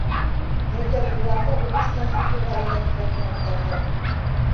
Мәгәр улар ҙа һуғыштан суфыйға әйләнеп ҡайтмағандарҙыр.